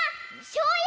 しょうゆ！